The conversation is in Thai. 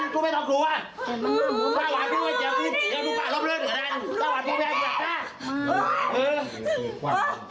ทาคนไป